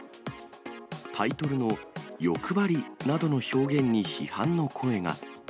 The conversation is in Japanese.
タイトルのよくばりなどの表現に批判の声が。